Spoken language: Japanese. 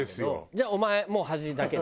じゃあお前もう端だけね。